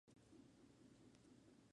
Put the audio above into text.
Fue construido en piedra de Monóvar.